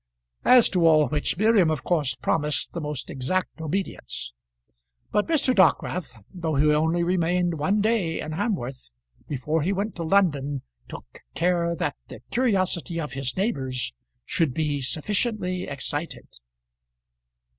As to all which Miriam of course promised the most exact obedience. But Mr. Dockwrath, though he only remained one day in Hamworth before he went to London, took care that the curiosity of his neighbours should be sufficiently excited.